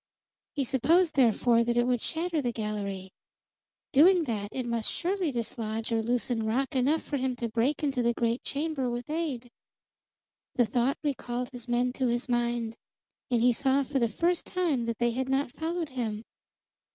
He supposed, therefore, that it would shatter the gallery. Doing that, it must surely dislodge or loosen rock enough for him to break into the great chamber with aid. The thought recalled his men to his mind, and he saw for the first time that they had not followed him.